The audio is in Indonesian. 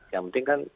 yang penting kan